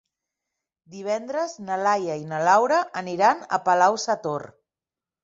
Divendres na Laia i na Laura aniran a Palau-sator.